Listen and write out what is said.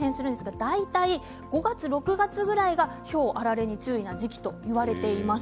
５月、６月ぐらいが、ひょうとあられに注意が必要な時期だといわれています。